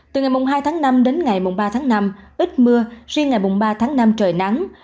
từ ngày hai tháng năm đến ngày mùng ba tháng năm ít mưa riêng ngày mùng ba tháng năm trời nắng